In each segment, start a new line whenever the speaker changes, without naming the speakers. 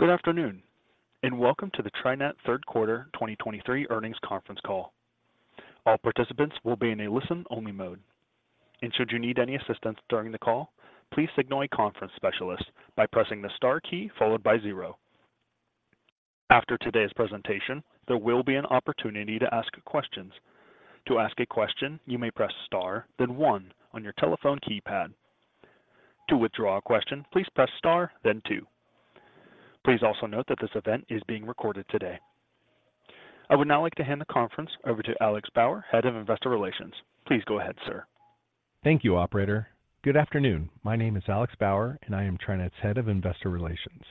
Good afternoon, and welcome to the TriNet Third Quarter 2023 Earnings Conference Call. All participants will be in a listen-only mode, and should you need any assistance during the call, please signal a conference specialist by pressing the star key followed by zero. After today's presentation, there will be an opportunity to ask questions. To ask a question, you may press Star, then one on your telephone keypad. To withdraw a question, please press Star, then two. Please also note that this event is being recorded today. I would now like to hand the conference over to Alex Bauer, Head of Investor Relations. Please go ahead, sir.
Thank you, operator. Good afternoon. My name is Alex Bauer, and I am TriNet's Head of Investor Relations.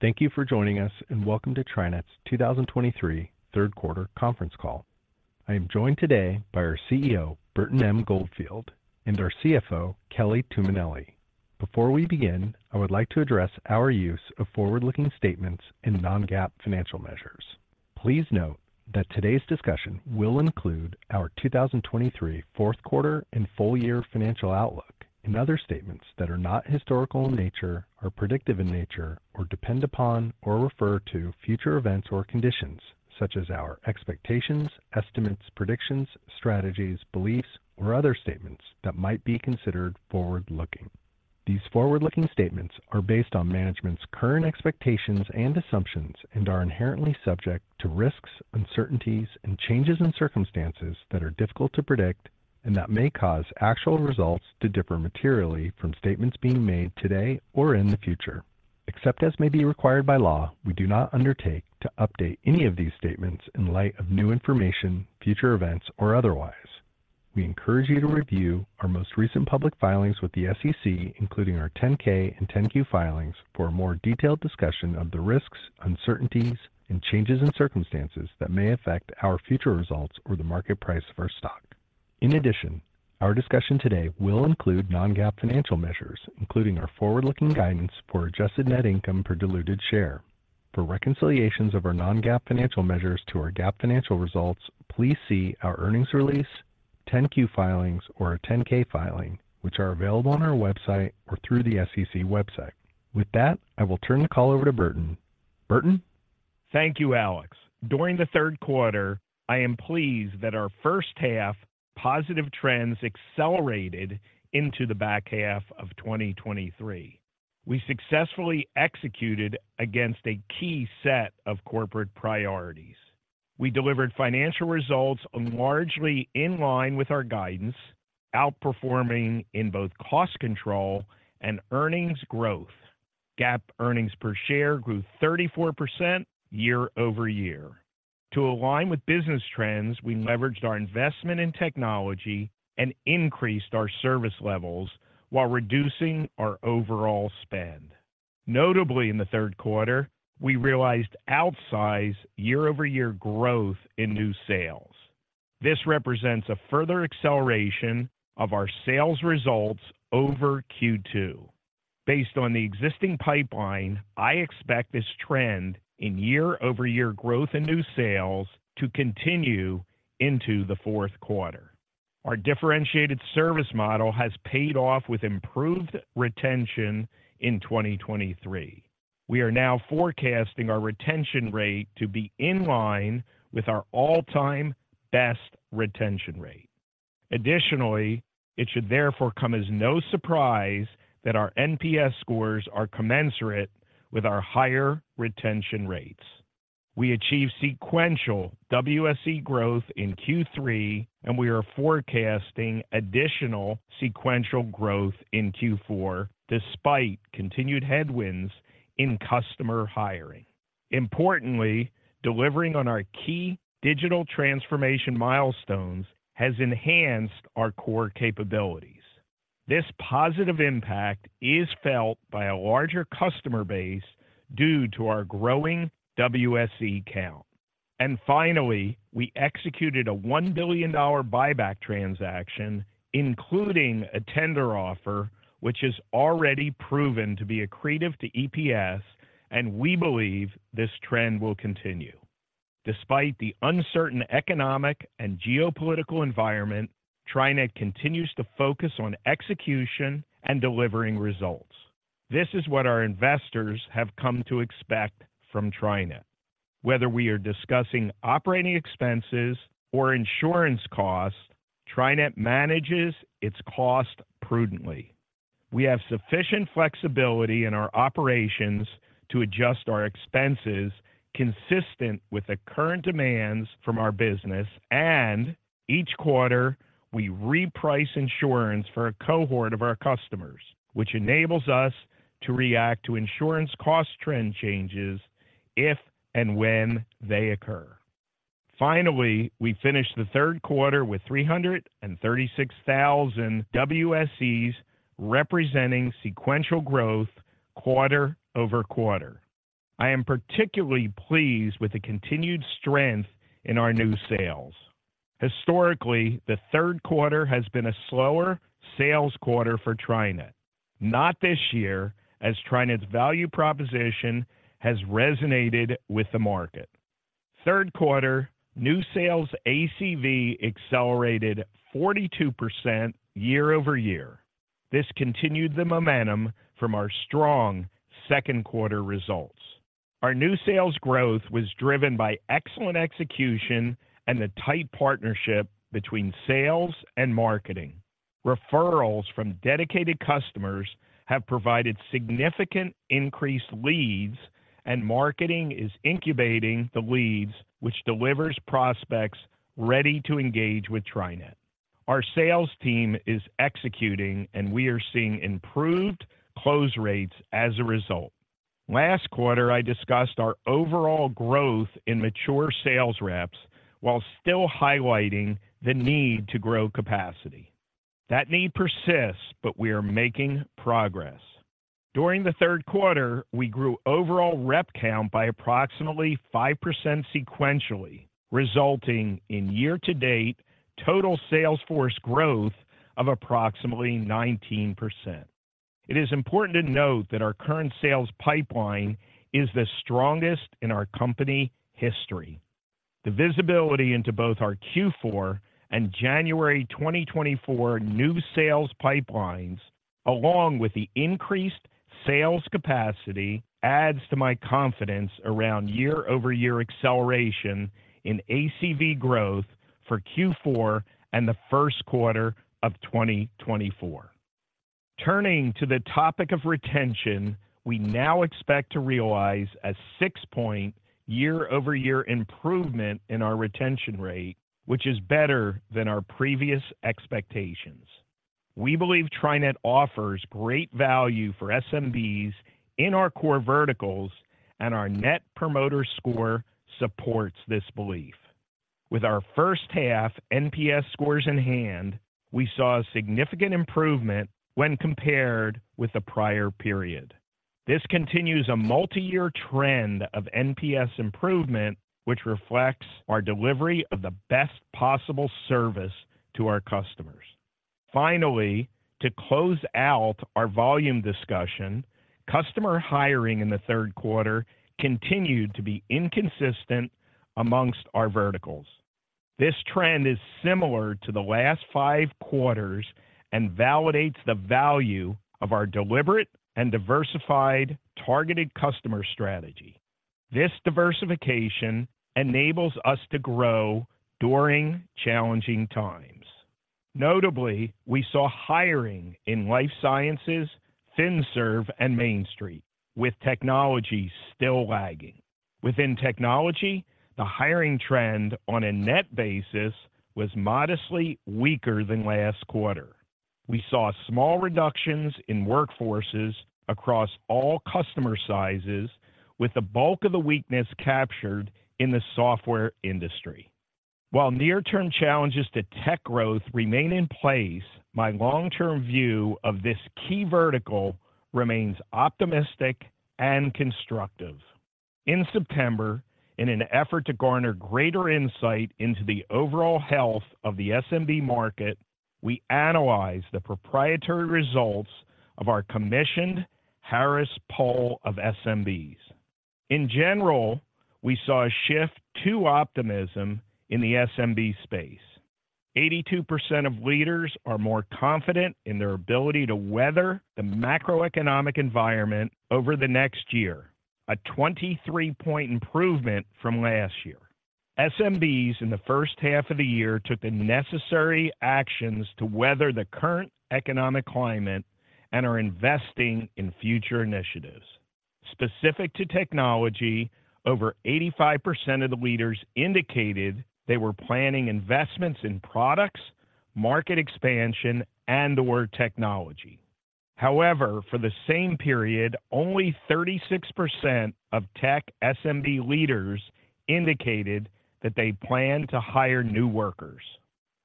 Thank you for joining us, and welcome to TriNet's 2023 third quarter conference call. I am joined today by our CEO, Burton M. Goldfield, and our CFO, Kelly Tuminelli. Before we begin, I would like to address our use of forward-looking statements in non-GAAP financial measures. Please note that today's discussion will include our 2023 fourth quarter and full year financial outlook, and other statements that are not historical in nature, or predictive in nature, or depend upon, or refer to future events or conditions, such as our expectations, estimates, predictions, strategies, beliefs, or other statements that might be considered forward-looking. These forward-looking statements are based on management's current expectations and assumptions and are inherently subject to risks, uncertainties, and changes in circumstances that are difficult to predict and that may cause actual results to differ materially from statements being made today or in the future. Except as may be required by law, we do not undertake to update any of these statements in light of new information, future events, or otherwise. We encourage you to review our most recent public filings with the SEC, including our 10-K and 10-Q filings, for a more detailed discussion of the risks, uncertainties, and changes in circumstances that may affect our future results or the market price of our stock. In addition, our discussion today will include non-GAAP financial measures, including our forward-looking guidance for adjusted net income per diluted share. For reconciliations of our non-GAAP financial measures to our GAAP financial results, please see our earnings release, 10-Q filings or a 10-K filing, which are available on our website or through the SEC website. With that, I will turn the call over to Burton. Burton?
Thank you, Alex. During the third quarter, I am pleased that our first half positive trends accelerated into the back half of 2023. We successfully executed against a key set of corporate priorities. We delivered financial results largely in line with our guidance, outperforming in both cost control and earnings growth. GAAP earnings per share grew 34% year-over-year. To align with business trends, we leveraged our investment in technology and increased our service levels while reducing our overall spend. Notably, in the third quarter, we realized outsize year-over-year growth in new sales. This represents a further acceleration of our sales results over Q2. Based on the existing pipeline, I expect this trend in year-over-year growth in new sales to continue into the fourth quarter. Our differentiated service model has paid off with improved retention in 2023. We are now forecasting our retention rate to be in line with our all-time best retention rate. Additionally, it should therefore come as no surprise that our NPS scores are commensurate with our higher retention rates. We achieved sequential WSE growth in Q3, and we are forecasting additional sequential growth in Q4, despite continued headwinds in customer hiring. Importantly, delivering on our key digital transformation milestones has enhanced our core capabilities. This positive impact is felt by a larger customer base due to our growing WSE count. And finally, we executed a $1 billion buyback transaction, including a tender offer, which is already proven to be accretive to EPS, and we believe this trend will continue. Despite the uncertain economic and geopolitical environment, TriNet continues to focus on execution and delivering results. This is what our investors have come to expect from TriNet. Whether we are discussing operating expenses or insurance costs, TriNet manages its cost prudently. We have sufficient flexibility in our operations to adjust our expenses consistent with the current demands from our business, and each quarter, we reprice insurance for a cohort of our customers, which enables us to react to insurance cost trend changes if and when they occur. Finally, we finished the third quarter with 336,000 WSEs, representing sequential growth quarter-over-quarter. I am particularly pleased with the continued strength in our new sales. Historically, the third quarter has been a slower sales quarter for TriNet. Not this year, as TriNet's value proposition has resonated with the market.... Third quarter, new sales ACV accelerated 42% year-over-year. This continued the momentum from our strong second quarter results. Our new sales growth was driven by excellent execution and the tight partnership between sales and marketing. Referrals from dedicated customers have provided significant increased leads, and marketing is incubating the leads, which delivers prospects ready to engage with TriNet. Our sales team is executing, and we are seeing improved close rates as a result. Last quarter, I discussed our overall growth in mature sales reps, while still highlighting the need to grow capacity. That need persists, but we are making progress. During the third quarter, we grew overall rep count by approximately 5% sequentially, resulting in year-to-date total sales force growth of approximately 19%. It is important to note that our current sales pipeline is the strongest in our company history. The visibility into both our Q4 and January 2024 new sales pipelines, along with the increased sales capacity, adds to my confidence around year-over-year acceleration in ACV growth for Q4 and the first quarter of 2024. Turning to the topic of retention, we now expect to realize a 6-point year-over-year improvement in our retention rate, which is better than our previous expectations. We believe TriNet offers great value for SMBs in our core verticals, and our Net Promoter Score supports this belief. With our first half NPS scores in hand, we saw a significant improvement when compared with the prior period. This continues a multi-year trend of NPS improvement, which reflects our delivery of the best possible service to our customers. Finally, to close out our volume discussion, customer hiring in the third quarter continued to be inconsistent amongst our verticals. This trend is similar to the last five quarters and validates the value of our deliberate and diversified targeted customer strategy. This diversification enables us to grow during challenging times. Notably, we saw hiring in Life Sciences, FinServe, and Main Street, with technology still lagging. Within technology, the hiring trend on a net basis was modestly weaker than last quarter. We saw small reductions in workforces across all customer sizes, with the bulk of the weakness captured in the software industry. While near-term challenges to tech growth remain in place, my long-term view of this key vertical remains optimistic and constructive. In September, in an effort to garner greater insight into the overall health of the SMB market, we analyzed the proprietary results of our commissioned Harris Poll of SMBs. In general, we saw a shift to optimism in the SMB space. 82% of leaders are more confident in their ability to weather the macroeconomic environment over the next year, a 23-point improvement from last year. SMBs in the first half of the year took the necessary actions to weather the current economic climate and are investing in future initiatives. Specific to technology, over 85% of the leaders indicated they were planning investments in products, market expansion, and/or technology. However, for the same period, only 36% of tech SMB leaders indicated that they plan to hire new workers.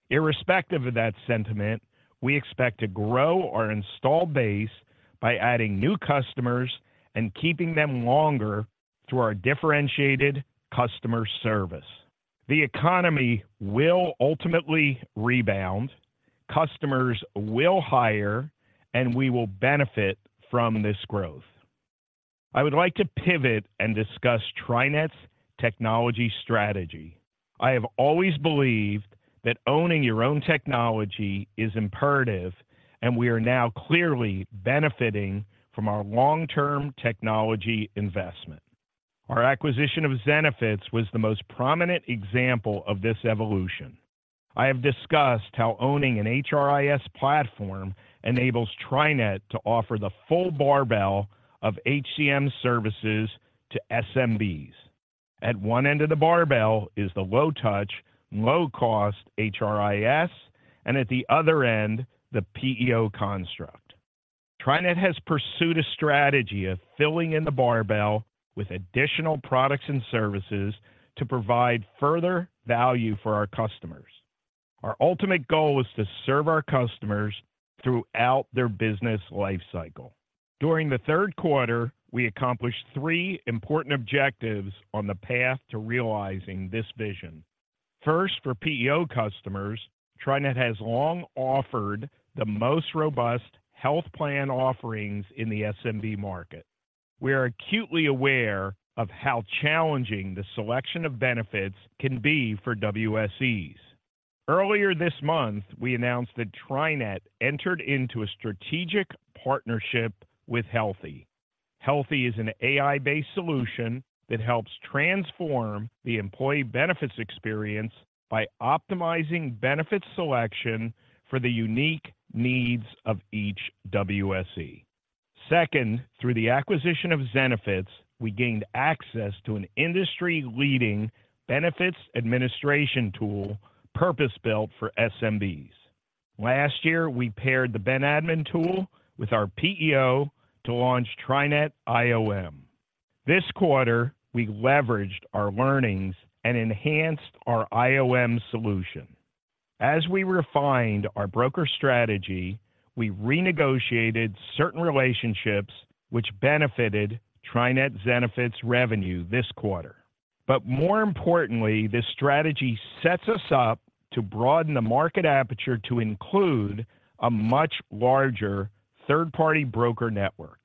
Irrespective of that sentiment, we expect to grow our installed base by adding new customers and keeping them longer through our differentiated customer service. The economy will ultimately rebound, customers will hire, and we will benefit from this growth. I would like to pivot and discuss TriNet's technology strategy. I have always believed that owning your own technology is imperative, and we are now clearly benefiting from our long-term technology investment. Our acquisition of Zenefits was the most prominent example of this evolution. I have discussed how owning an HRIS platform enables TriNet to offer the full barbell of HCM services to SMBs. At one end of the barbell is the low-touch, low-cost HRIS, and at the other end, the PEO construct. TriNet has pursued a strategy of filling in the barbell with additional products and services to provide further value for our customers. Our ultimate goal is to serve our customers throughout their business life cycle. During the third quarter, we accomplished three important objectives on the path to realizing this vision. First, for PEO customers, TriNet has long offered the most robust health plan offerings in the SMB market. We are acutely aware of how challenging the selection of benefits can be for WSEs. Earlier this month, we announced that TriNet entered into a strategic partnership with Healthee. Healthee is an AI-based solution that helps transform the employee benefits experience by optimizing benefit selection for the unique needs of each WSE. Second, through the acquisition of Zenefits, we gained access to an industry-leading benefits administration tool, purpose-built for SMBs. Last year, we paired the Ben-admin tool with our PEO to launch TriNet IOM. This quarter, we leveraged our learnings and enhanced our IOM solution. As we refined our broker strategy, we renegotiated certain relationships which benefited TriNet Zenefits revenue this quarter. But more importantly, this strategy sets us up to broaden the market aperture to include a much larger third-party broker network.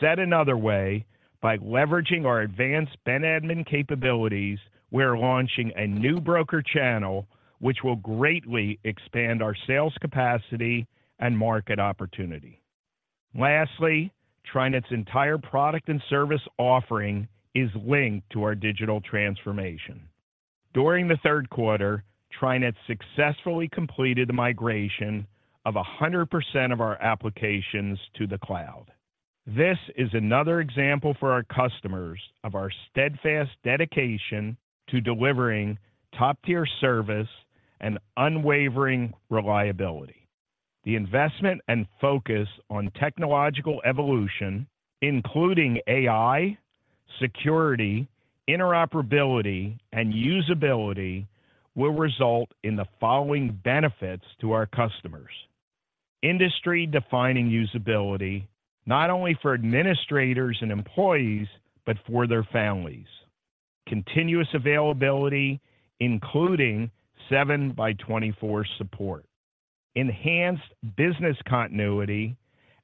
Said another way, by leveraging our advanced Ben-admin capabilities, we are launching a new broker channel, which will greatly expand our sales capacity and market opportunity. Lastly, TriNet's entire product and service offering is linked to our digital transformation. During the third quarter, TriNet successfully completed the migration of 100% of our applications to the cloud. This is another example for our customers of our steadfast dedication to delivering top-tier service and unwavering reliability. The investment and focus on technological evolution, including AI, security, interoperability, and usability, will result in the following benefits to our customers: industry-defining usability, not only for administrators and employees, but for their families, continuous availability, including 24/7 support, enhanced business continuity,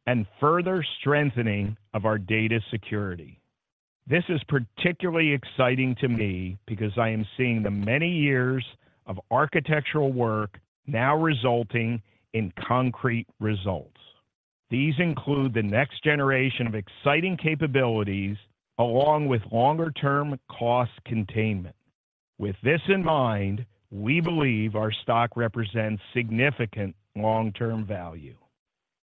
and further strengthening of our data security. This is particularly exciting to me because I am seeing the many years of architectural work now resulting in concrete results. These include the next generation of exciting capabilities, along with longer-term cost containment. With this in mind, we believe our stock represents significant long-term value.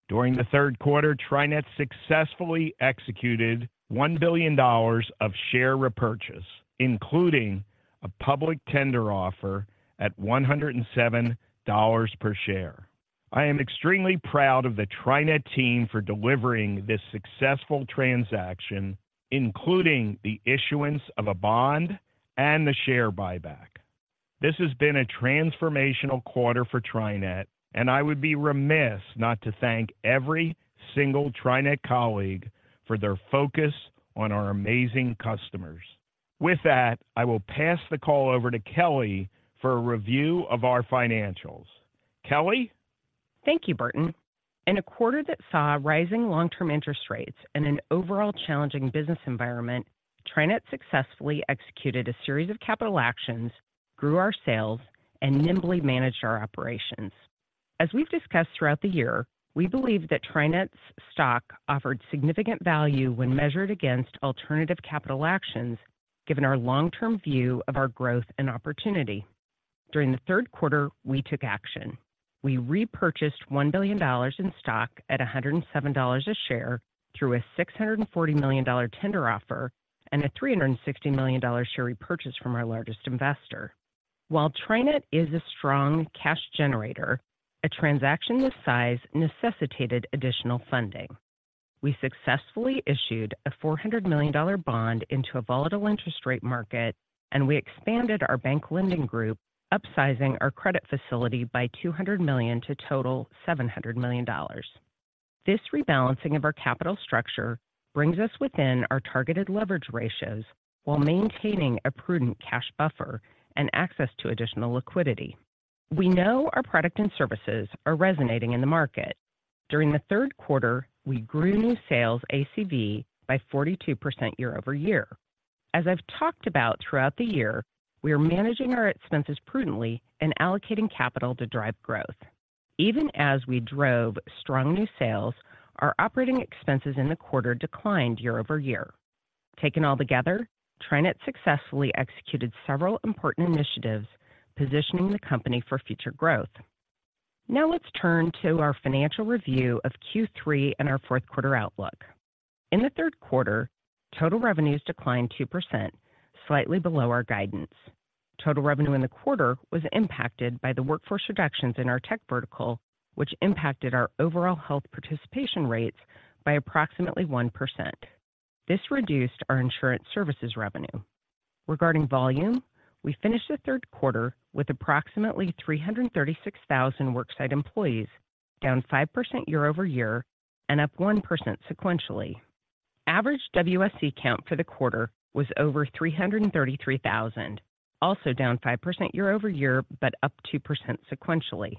During the third quarter, TriNet successfully executed $1 billion of share repurchase, including a public tender offer at $107 per share. I am extremely proud of the TriNet team for delivering this successful transaction, including the issuance of a bond and the share buyback. This has been a transformational quarter for TriNet, and I would be remiss not to thank every single TriNet colleague for their focus on our amazing customers. With that, I will pass the call over to Kelly for a review of our financials. Kelly?
Thank you, Burton. In a quarter that saw rising long-term interest rates and an overall challenging business environment, TriNet successfully executed a series of capital actions, grew our sales, and nimbly managed our operations. As we've discussed throughout the year, we believe that TriNet's stock offered significant value when measured against alternative capital actions, given our long-term view of our growth and opportunity. During the third quarter, we took action. We repurchased $1 billion in stock at $107 a share through a $640 million tender offer and a $360 million share repurchase from our largest investor. While TriNet is a strong cash generator, a transaction this size necessitated additional funding. We successfully issued a $400 million bond into a volatile interest rate market, and we expanded our bank lending group, upsizing our credit facility by $200 million to total $700 million. This rebalancing of our capital structure brings us within our targeted leverage ratios while maintaining a prudent cash buffer and access to additional liquidity. We know our product and services are resonating in the market. During the third quarter, we grew new sales ACV by 42% year-over-year. As I've talked about throughout the year, we are managing our expenses prudently and allocating capital to drive growth. Even as we drove strong new sales, our operating expenses in the quarter declined year-over-year. Taken all together, TriNet successfully executed several important initiatives, positioning the company for future growth. Now, let's turn to our financial review of Q3 and our fourth quarter outlook. In the third quarter, total revenues declined 2%, slightly below our guidance. Total revenue in the quarter was impacted by the workforce reductions in our tech vertical, which impacted our overall health participation rates by approximately 1%. This reduced our insurance services revenue. Regarding volume, we finished the third quarter with approximately 336,000 worksite employees, down 5% year-over-year and up 1% sequentially. Average WSE count for the quarter was over 333,000, also down 5% year-over-year, but up 2% sequentially.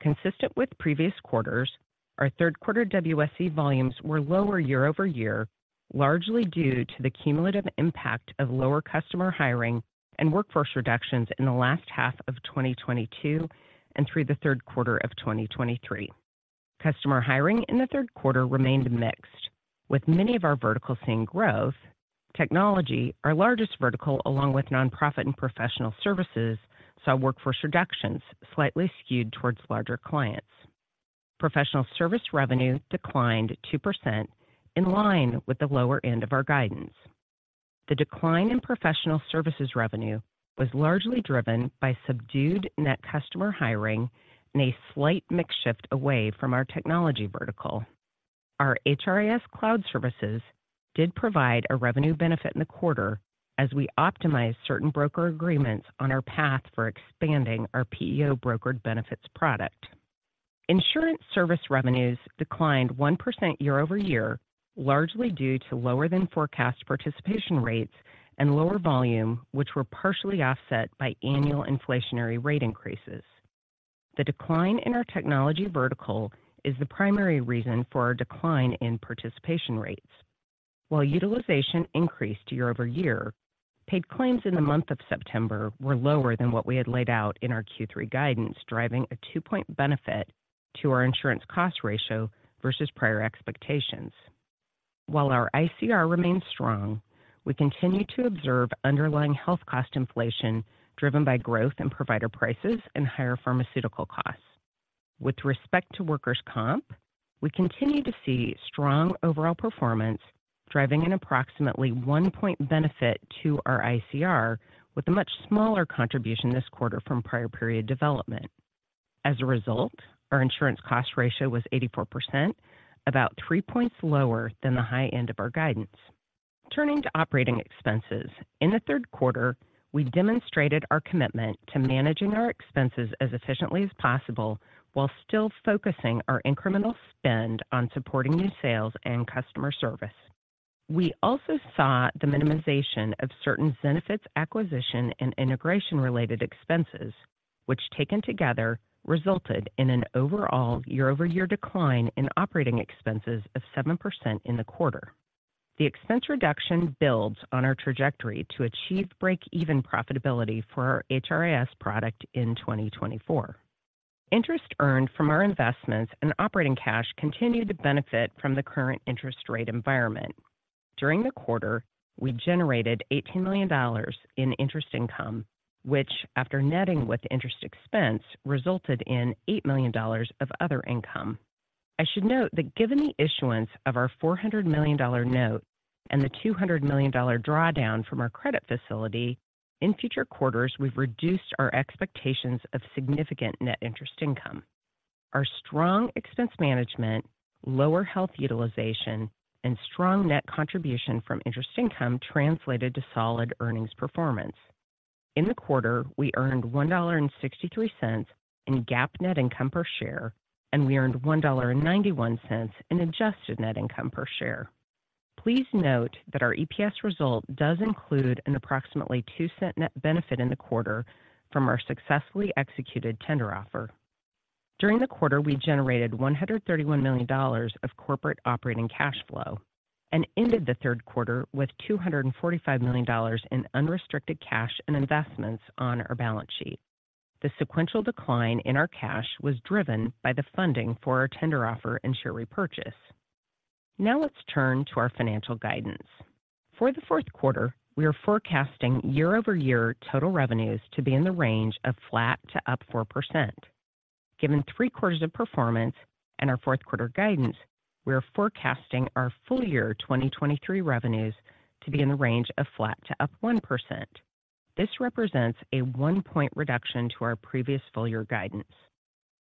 Consistent with previous quarters, our third quarter WSE volumes were lower year-over-year, largely due to the cumulative impact of lower customer hiring and workforce reductions in the last half of 2022 and through the third quarter of 2023. Customer hiring in the third quarter remained mixed, with many of our verticals seeing growth. Technology, our largest vertical, along with nonprofit and professional services, saw workforce reductions slightly skewed towards larger clients. Professional service revenue declined 2% in line with the lower end of our guidance. The decline in professional services revenue was largely driven by subdued net customer hiring and a slight mix shift away from our technology vertical. Our HRIS cloud services did provide a revenue benefit in the quarter as we optimized certain broker agreements on our path for expanding our PEO brokered benefits product. Insurance service revenues declined 1% year-over-year, largely due to lower than forecast participation rates and lower volume, which were partially offset by annual inflationary rate increases. The decline in our technology vertical is the primary reason for our decline in participation rates. While utilization increased year-over-year, paid claims in the month of September were lower than what we had laid out in our Q3 guidance, driving a 2-point benefit to our insurance cost ratio versus prior expectations. While our ICR remains strong, we continue to observe underlying health cost inflation, driven by growth in provider prices and higher pharmaceutical costs. With respect to workers' comp, we continue to see strong overall performance, driving an approximately 1-point benefit to our ICR, with a much smaller contribution this quarter from prior period development. As a result, our insurance cost ratio was 84%, about 3 points lower than the high end of our guidance. Turning to operating expenses. In the third quarter, we demonstrated our commitment to managing our expenses as efficiently as possible while still focusing our incremental spend on supporting new sales and customer service. We also saw the minimization of certain Zenefits acquisition and integration-related expenses, which, taken together, resulted in an overall year-over-year decline in operating expenses of 7% in the quarter. The expense reduction builds on our trajectory to achieve break-even profitability for our HRIS product in 2024. Interest earned from our investments and operating cash continued to benefit from the current interest rate environment. During the quarter, we generated $18 million in interest income, which, after netting with interest expense, resulted in $8 million of other income. I should note that given the issuance of our $400 million note and the $200 million drawdown from our credit facility, in future quarters, we've reduced our expectations of significant net interest income. Our strong expense management, lower health utilization, and strong net contribution from interest income translated to solid earnings performance. In the quarter, we earned $1.63 in GAAP net income per share, and we earned $1.91 in adjusted net income per share. Please note that our EPS result does include an approximately $0.02 net benefit in the quarter from our successfully executed tender offer. During the quarter, we generated $131 million of corporate operating cash flow and ended the third quarter with $245 million in unrestricted cash and investments on our balance sheet. The sequential decline in our cash was driven by the funding for our tender offer and share repurchase. Now, let's turn to our financial guidance. For the fourth quarter, we are forecasting year-over-year total revenues to be in the range of flat to up 4%. Given three quarters of performance and our fourth quarter guidance, we are forecasting our full-year 2023 revenues to be in the range of flat to up 1%. This represents a 1-point reduction to our previous full-year guidance.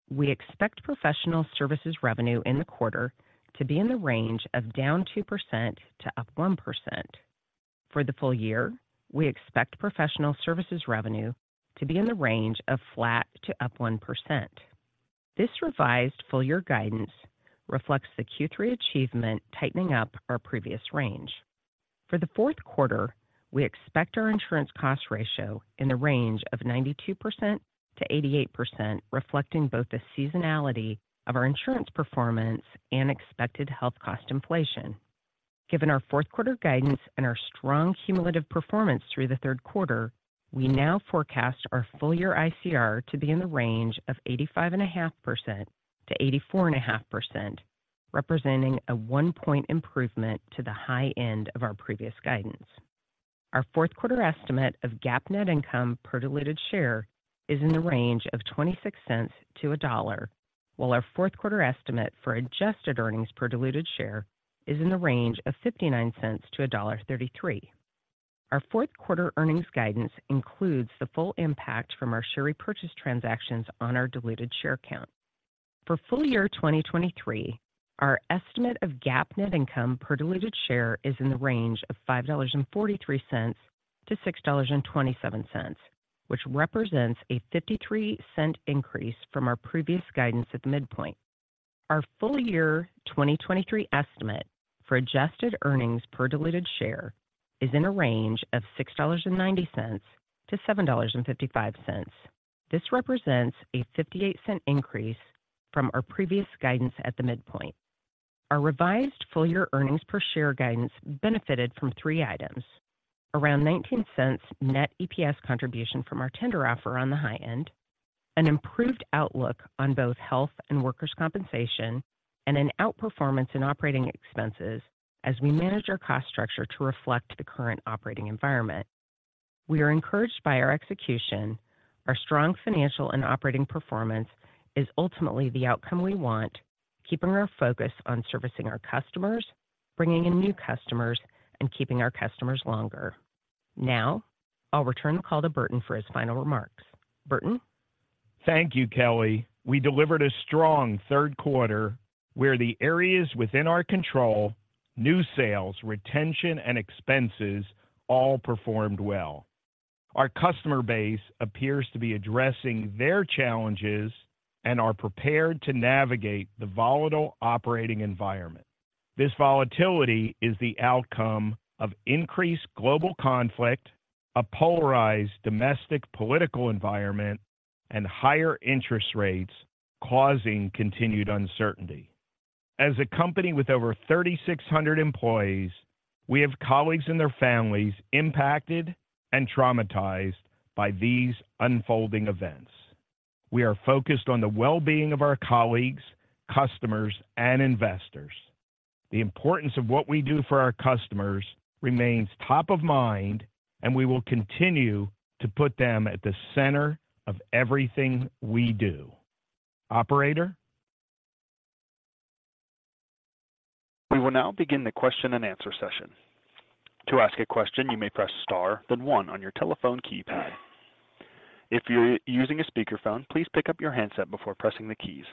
We expect professional services revenue in the quarter to be in the range of down 2% to up 1%. For the full year, we expect professional services revenue to be in the range of flat to up 1%. This revised full-year guidance reflects the Q3 achievement, tightening up our previous range. For the fourth quarter, we expect our insurance cost ratio in the range of 92%-88%, reflecting both the seasonality of our insurance performance and expected health cost inflation. Given our fourth quarter guidance and our strong cumulative performance through the third quarter, we now forecast our full year ICR to be in the range of 85.5%-84.5%, representing a one-point improvement to the high end of our previous guidance. Our fourth quarter estimate of GAAP net income per diluted share is in the range of $0.26-$1.00, while our fourth quarter estimate for adjusted earnings per diluted share is in the range of $0.59-$1.33. Our fourth quarter earnings guidance includes the full impact from our share repurchase transactions on our diluted share count. For full year 2023, our estimate of GAAP net income per diluted share is in the range of $5.43-$6.27, which represents a $0.53 increase from our previous guidance at the midpoint. Our full year 2023 estimate for adjusted earnings per diluted share is in a range of $6.90-$7.55. This represents a $0.58 increase from our previous guidance at the midpoint. Our revised full year earnings per share guidance benefited from three items: around $0.19 net EPS contribution from our tender offer on the high end, an improved outlook on both health and workers' compensation, and an outperformance in operating expenses as we manage our cost structure to reflect the current operating environment. We are encouraged by our execution. Our strong financial and operating performance is ultimately the outcome we want, keeping our focus on servicing our customers, bringing in new customers, and keeping our customers longer. Now, I'll return the call to Burton for his final remarks. Burton?
Thank you, Kelly. We delivered a strong third quarter where the areas within our control, new sales, retention, and expenses all performed well. Our customer base appears to be addressing their challenges and are prepared to navigate the volatile operating environment. This volatility is the outcome of increased global conflict, a polarized domestic political environment, and higher interest rates causing continued uncertainty. As a company with over 3,600 employees, we have colleagues and their families impacted and traumatized by these unfolding events. We are focused on the well-being of our colleagues, customers, and investors. The importance of what we do for our customers remains top of mind, and we will continue to put them at the center of everything we do. Operator?
We will now begin the Q&A session. To ask a question, you may press star, then one on your telephone keypad. If you're using a speakerphone, please pick up your handset before pressing the keys.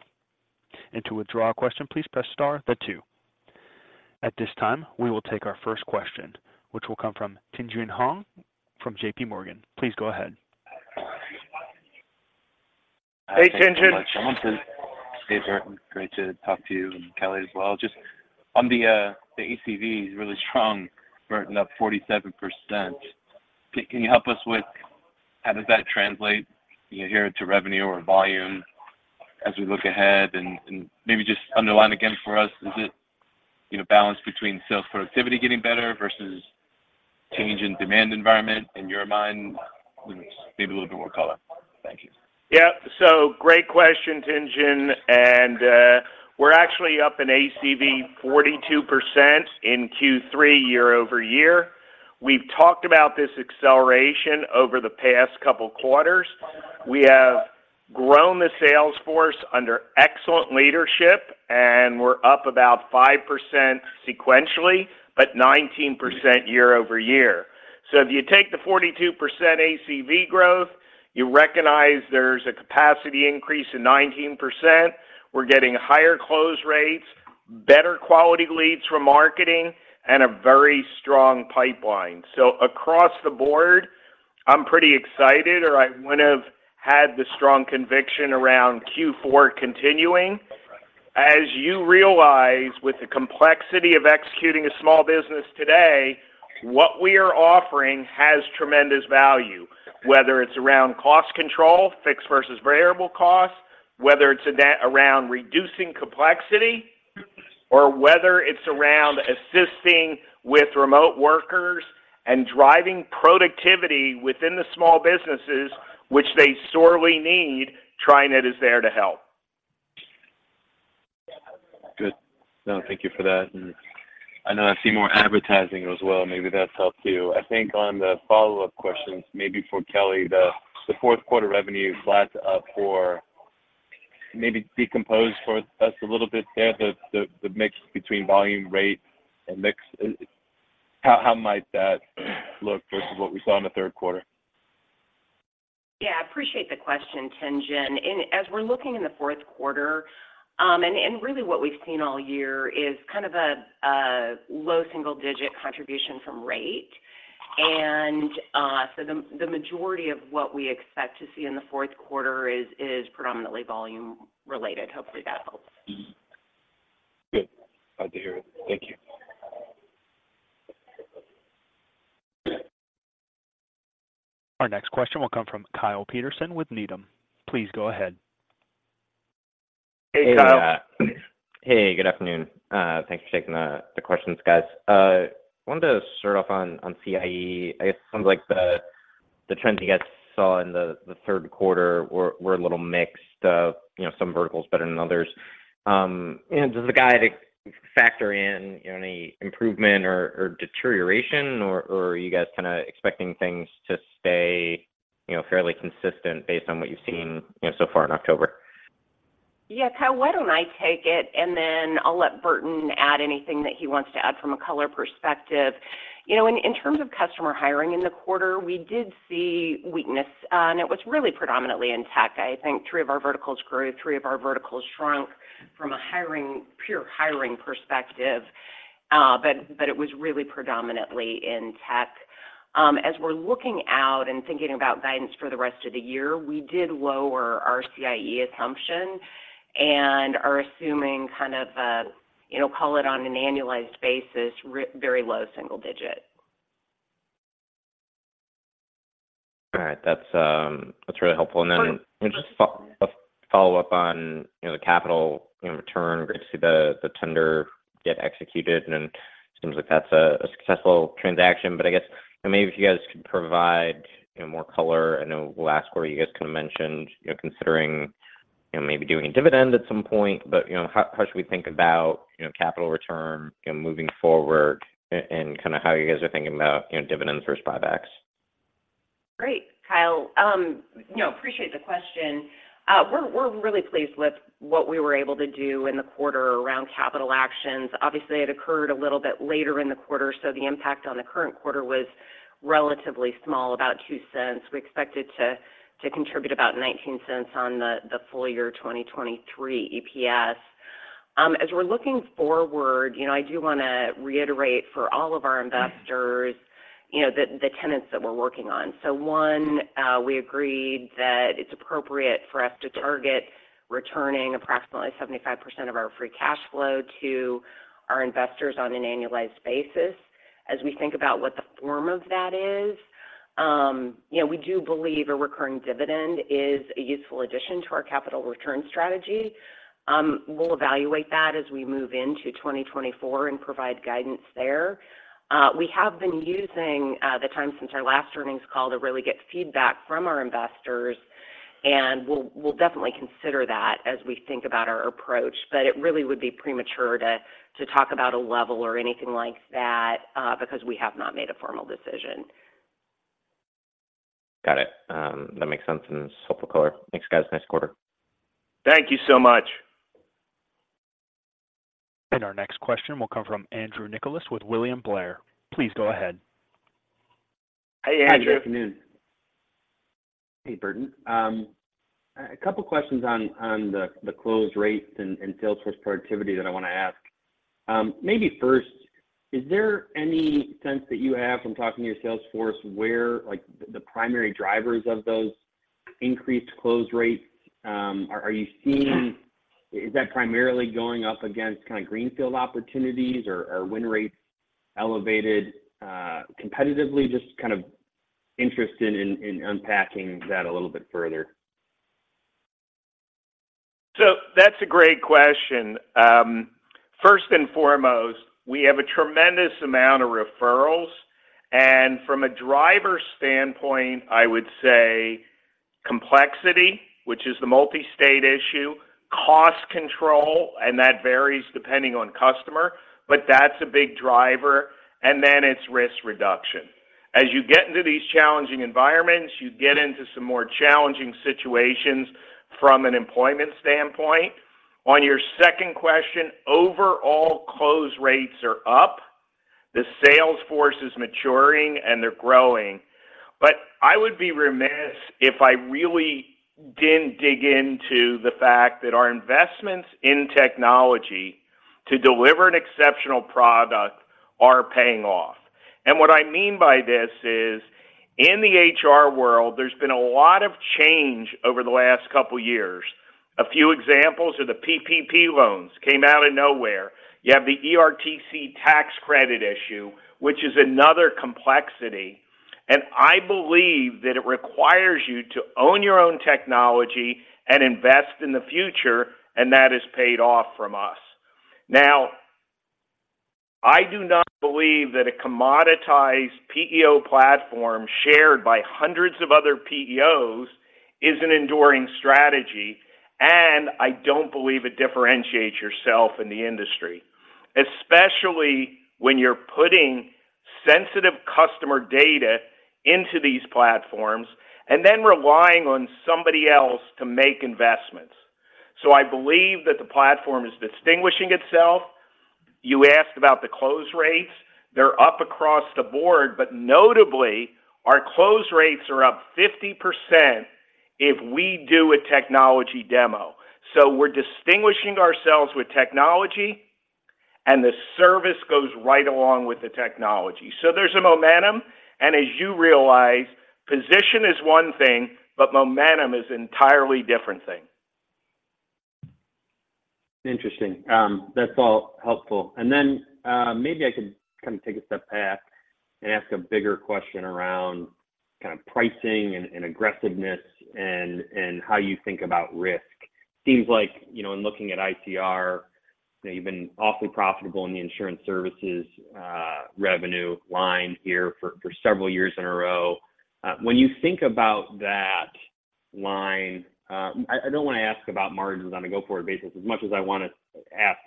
And to withdraw a question, please press star, then two. At this time, we will take our first question, which will come from Tien-Tsin Huang from JP Morgan. Please go ahead.
Hey, Tien-Tsin.
Hey, Burton. Great to talk to you, and Kelly as well. Just on the ACV is really strong, Burton, up 47%. Can you help us with how does that translate here to revenue or volume as we look ahead? And maybe just underline again for us, is it, you know, balance between sales productivity getting better versus change in demand environment in your mind? Maybe a little bit more color. Thank you.
Yeah. So great question, Tien-Tsin, and we're actually up in ACV 42% in Q3 year-over-year. We've talked about this acceleration over the past couple quarters. We have grown the sales force under excellent leadership, and we're up about 5% sequentially, but 19% year-over-year. So if you take the 42% ACV growth, you recognize there's a capacity increase in 19%. We're getting higher close rates, better quality leads from marketing, and a very strong pipeline. So across the board, I'm pretty excited, or I wouldn't have had the strong conviction around Q4 continuing. As you realize, with the complexity of executing a small business today, what we are offering has tremendous value. Whether it's around cost control, fixed versus variable costs, whether it's a net around reducing complexity, or whether it's around assisting with remote workers and driving productivity within the small businesses, which they sorely need, TriNet is there to help.
Good. No, thank you for that. And I know I see more advertising as well. Maybe that's helped, too. I think on the follow-up questions, maybe for Kelly, the fourth quarter revenue flat up for... Maybe decompose for us a little bit there, the mix between volume, rate, and mix. How might that look versus what we saw in the third quarter?
Yeah, I appreciate the question, Tien-Tsin Huang. And as we're looking in the fourth quarter, and really what we've seen all year is kind of a low single-digit contribution from rate. And so the majority of what we expect to see in the fourth quarter is predominantly volume related. Hopefully, that helps.
Good. Glad to hear it. Thank you.
Our next question will come from Kyle Peterson with Needham. Please go ahead.
Hey, Kyle.
Hey, good afternoon. Thanks for taking the questions, guys. I wanted to start off on CIE. I guess it sounds like the trends you guys saw in the third quarter were a little mixed, you know, some verticals better than others. And does the guide factor in any improvement or deterioration, or are you guys kinda expecting things to stay, you know, fairly consistent based on what you've seen, you know, so far in October?
Yeah, Kyle, why don't I take it, and then I'll let Burton add anything that he wants to add from a color perspective. You know, in terms of customer hiring in the quarter, we did see weakness, and it was really predominantly in tech. I think three of our verticals grew, three of our verticals shrunk from a hiring—pure hiring perspective. But it was really predominantly in tech. As we're looking out and thinking about guidance for the rest of the year, we did lower our CIE assumption and are assuming kind of a, you know, call it on an annualized basis, very low single digit.
All right. That's, that's really helpful.
Sorry.
And then just follow up on, you know, the capital, you know, return. Great to see the tender get executed, and it seems like that's a successful transaction. But I guess, maybe if you guys could provide, you know, more color. I know last quarter you guys kind of mentioned, you know, considering, you know, maybe doing a dividend at some point. But, you know, how should we think about, you know, capital return, you know, moving forward and kind of how you guys are thinking about, you know, dividends versus buybacks?
Great, Kyle. You know, appreciate the question. We're really pleased with what we were able to do in the quarter around capital actions. Obviously, it occurred a little bit later in the quarter, so the impact on the current quarter was relatively small, about $0.02. We expected to contribute about $0.19 on the full year, 2023 EPS. As we're looking forward, you know, I do want to reiterate for all of our investors, you know, the tenets that we're working on. So one, we agreed that it's appropriate for us to target returning approximately 75% of our free cash flow to our investors on an annualized basis. As we think about what the form of that is, you know, we do believe a recurring dividend is a useful addition to our capital return strategy. We'll evaluate that as we move into 2024 and provide guidance there. We have been using the time since our last earnings call to really get feedback from our investors, and we'll definitely consider that as we think about our approach, but it really would be premature to talk about a level or anything like that, because we have not made a formal decision.
Got it. That makes sense and helpful color. Thanks, guys. Nice quarter.
Thank you so much.
Our next question will come from Andrew Nicholas with William Blair. Please go ahead.
Hey, Andrew.
Hi, good afternoon. Hey, Burton. A couple questions on the close rates and sales force productivity that I want to ask. Maybe first, is there any sense that you have from talking to your sales force where, like, the primary drivers of those increased close rates? Are you seeing - is that primarily going up against kind of greenfield opportunities, or win rates elevated competitively? Just kind of interested in unpacking that a little bit further.
That's a great question. First and foremost, we have a tremendous amount of referrals, and from a driver standpoint, I would say complexity, which is the multi-state issue, cost control, and that varies depending on customer, but that's a big driver, and then it's risk reduction. As you get into these challenging environments, you get into some more challenging situations from an employment standpoint. On your second question, overall close rates are up. The sales force is maturing, and they're growing. But I would be remiss if I really didn't dig into the fact that our investments in technology to deliver an exceptional product are paying off. And what I mean by this is, in the HR world, there's been a lot of change over the last couple years. A few examples are the PPP loans that came out of nowhere. You have the ERTC tax credit issue, which is another complexity, and I believe that it requires you to own your own technology and invest in the future, and that has paid off from us. Now, I do not believe that a commoditized PEO platform shared by hundreds of other PEOs is an enduring strategy, and I don't believe it differentiates yourself in the industry, especially when you're putting sensitive customer data into these platforms and then relying on somebody else to make investments. So I believe that the platform is distinguishing itself. You asked about the close rates. They're up across the board, but notably, our close rates are up 50% if we do a technology demo. So we're distinguishing ourselves with technology, and the service goes right along with the technology. There's a momentum, and as you realize, position is one thing, but momentum is an entirely different thing.
Interesting. That's all helpful. And then, maybe I could kind of take a step back and ask a bigger question around kind of pricing and, and aggressiveness and, and how you think about risk. Seems like, you know, in looking at ICR, you've been awfully profitable in the insurance services revenue line here for, for several years in a row. When you think about that line, I don't want to ask about margins on a go-forward basis, as much as I want to ask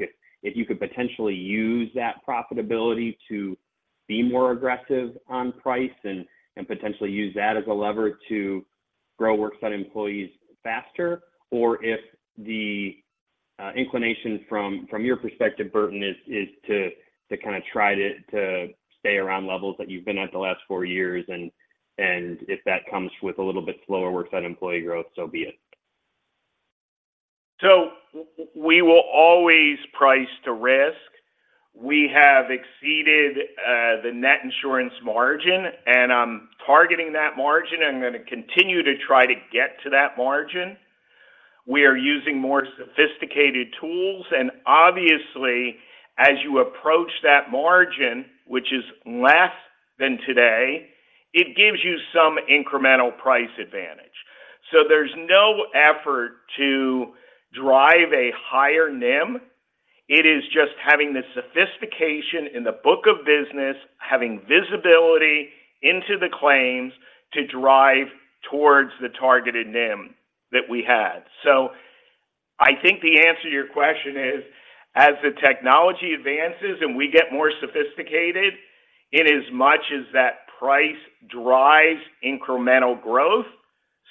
if you could potentially use that profitability to be more aggressive on price and potentially use that as a lever to grow work site employees faster, or if the inclination from your perspective, Burton, is to kind of try to stay around levels that you've been at the last four years, and if that comes with a little bit slower work site employee growth, so be it?...
So we will always price to risk. We have exceeded the net insurance margin, and I'm targeting that margin, and I'm going to continue to try to get to that margin. We are using more sophisticated tools, and obviously, as you approach that margin, which is less than today, it gives you some incremental price advantage. So there's no effort to drive a higher NIM. It is just having the sophistication in the book of business, having visibility into the claims to drive towards the targeted NIM that we had. So I think the answer to your question is, as the technology advances and we get more sophisticated, in as much as that price drives incremental growth,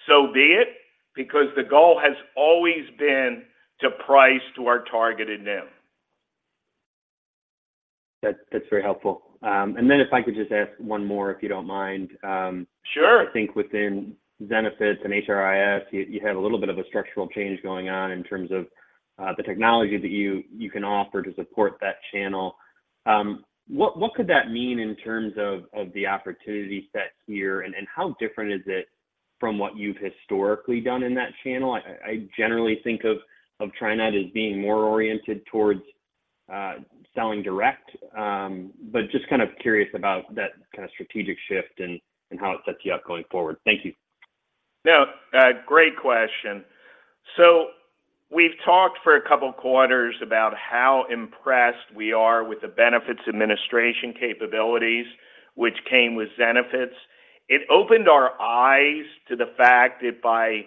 so be it, because the goal has always been to price to our targeted NIM.
That's very helpful. And then if I could just ask one more, if you don't mind.
Sure.
I think within Zenefits and HRIS, you, you have a little bit of a structural change going on in terms of the technology that you, you can offer to support that channel. What, what could that mean in terms of of the opportunity set here, and, and how different is it from what you've historically done in that channel? I, I generally think of of TriNet as being more oriented towards selling direct. But just kind of curious about that kind of strategic shift and, and how it sets you up going forward. Thank you.
No, great question. So we've talked for a couple of quarters about how impressed we are with the benefits administration capabilities, which came with Zenefits. It opened our eyes to the fact that by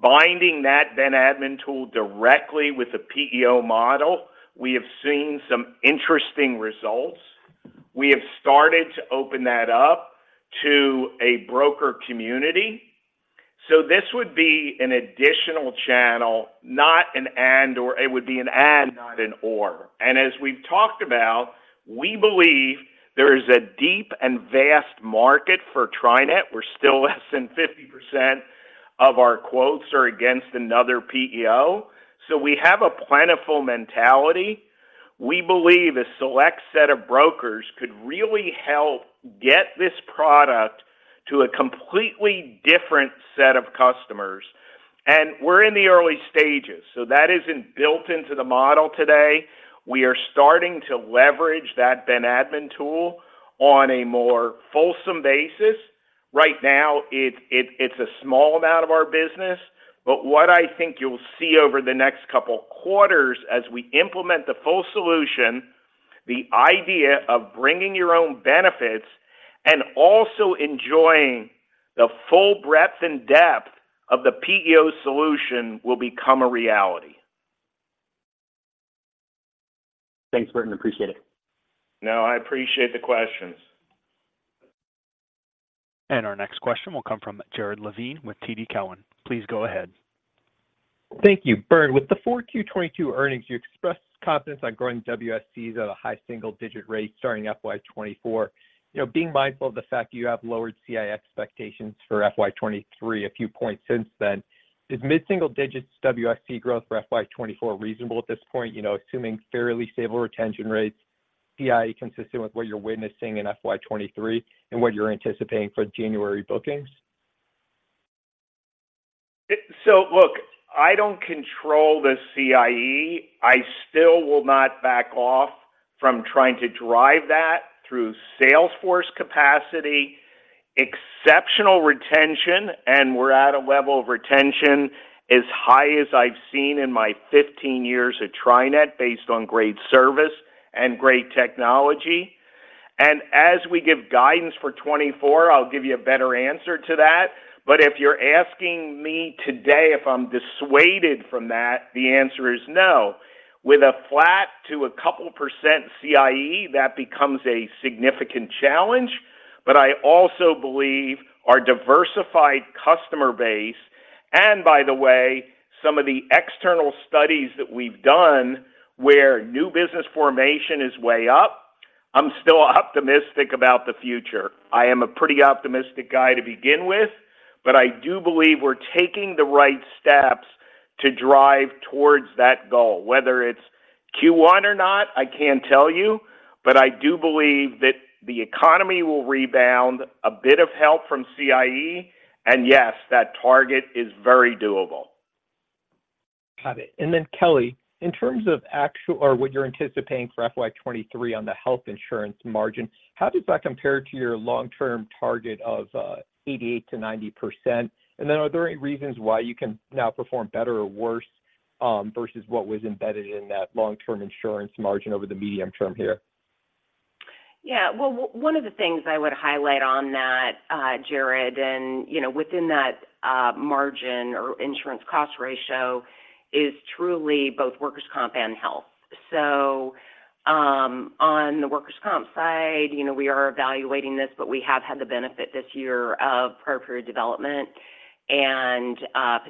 binding that Ben-admin tool directly with the PEO model, we have seen some interesting results. We have started to open that up to a broker community. So this would be an additional channel, not an and/or. It would be an and, not an or. And as we've talked about, we believe there is a deep and vast market for TriNet. We're still less than 50% of our quotes are against another PEO, so we have a plentiful mentality. We believe a select set of brokers could really help get this product to a completely different set of customers, and we're in the early stages, so that isn't built into the model today. We are starting to leverage that Ben-admin tool on a more fulsome basis. Right now, it's a small amount of our business, but what I think you'll see over the next couple quarters as we implement the full solution, the idea of bringing your own benefits and also enjoying the full breadth and depth of the PEO solution will become a reality.
Thanks, Burton. Appreciate it.
No, I appreciate the questions.
Our next question will come from Jared Levine with TD Cowen. Please go ahead.
Thank you. Burton, with the Q4 2022 earnings, you expressed confidence on growing WSEs at a high single-digit rate starting FY 2024. You know, being mindful of the fact you have lowered CIE expectations for FY 2023 a few points since then, is mid-single digits WSE growth for FY 2024 reasonable at this point? You know, assuming fairly stable retention rates, CIE consistent with what you're witnessing in FY 2023 and what you're anticipating for January bookings.
So look, I don't control the CIE. I still will not back off from trying to drive that through sales force capacity, exceptional retention, and we're at a level of retention as high as I've seen in my 15 years at TriNet, based on great service and great technology. And as we give guidance for 2024, I'll give you a better answer to that. But if you're asking me today if I'm dissuaded from that, the answer is no. With a flat to a couple% CIE, that becomes a significant challenge, but I also believe our diversified customer base, and by the way, some of the external studies that we've done, where new business formation is way up, I'm still optimistic about the future. I am a pretty optimistic guy to begin with, but I do believe we're taking the right steps to drive towards that goal. Whether it's Q1 or not, I can't tell you, but I do believe that the economy will rebound, a bit of help from CIE, and yes, that target is very doable.
Got it. And then, Kelly, in terms of actual or what you're anticipating for FY 23 on the health insurance margin, how does that compare to your long-term target of 88%-90%? And then are there any reasons why you can now perform better or worse versus what was embedded in that long-term insurance margin over the medium term here?
Yeah, well, one of the things I would highlight on that, Jared, and you know, within that, margin or insurance cost ratio is truly both workers' comp and health. So, on the workers' comp side, you know, we are evaluating this, but we have had the benefit this year of prior period development, and,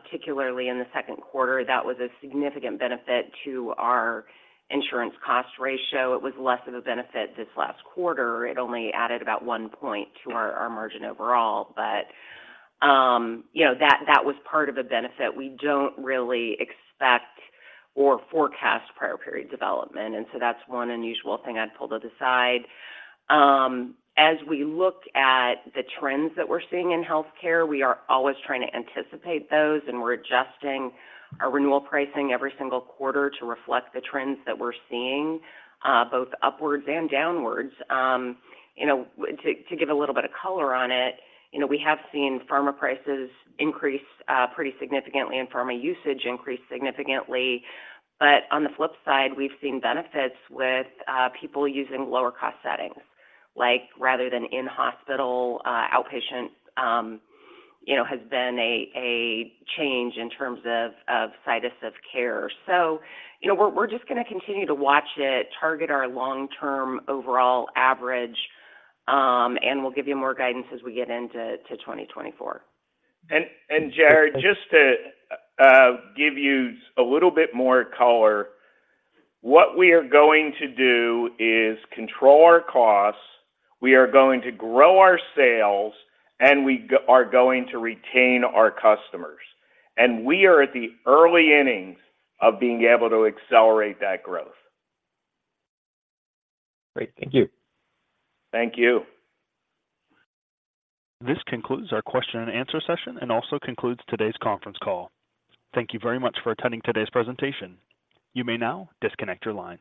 particularly in the second quarter, that was a significant benefit to our insurance cost ratio. It was less of a benefit this last quarter. It only added about one point to our margin overall, but, you know, that was part of a benefit. We don't really expect or forecast prior period development, and so that's one unusual thing I'd pull to the side. As we look at the trends that we're seeing in healthcare, we are always trying to anticipate those, and we're adjusting our renewal pricing every single quarter to reflect the trends that we're seeing, both upwards and downwards. You know, to give a little bit of color on it, you know, we have seen pharma prices increase pretty significantly and pharma usage increase significantly. But on the flip side, we've seen benefits with people using lower cost settings, like rather than in-hospital, outpatient, you know, has been a change in terms of situs of care. So, you know, we're just gonna continue to watch it, target our long-term overall average, and we'll give you more guidance as we get into 2024.
And, Jared, just to give you a little bit more color, what we are going to do is control our costs, we are going to grow our sales, and we are going to retain our customers. And we are at the early innings of being able to accelerate that growth.
Great. Thank you.
Thank you.
This concludes our Q&A session and also concludes today's conference call. Thank you very much for attending today's presentation. You may now disconnect your lines.